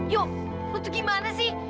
yuk lu tuh gimana sih